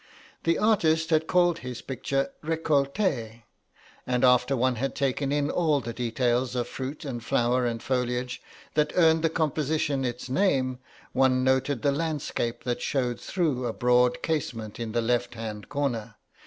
The artist had called his picture "Recolte." And after one had taken in all the details of fruit and flower and foliage that earned the composition its name, one noted the landscape that showed through a broad casement in the left hand corner.